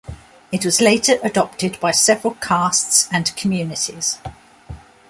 It was later adopted by several castes and communities.